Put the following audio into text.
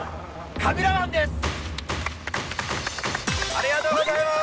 ありがとうございます。